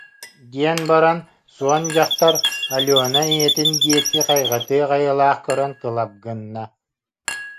диэн баран суон дьахтар Алена ийэтин диэки хайҕатыах айылаах көрөн кылап гынна